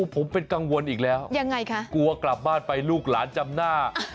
ผมเป็นกังวลอีกแล้วยังไงคะกลัวกลับบ้านไปลูกหลานจำหน้า